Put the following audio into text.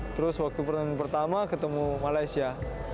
terus waktu pertandingan pertama ketemu malaysia